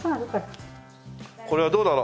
これはどうだろう。